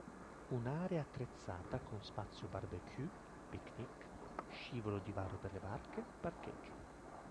Un'area attrezzata con spazio barbecue, picnic, scivolo di varo per le barche, parcheggio.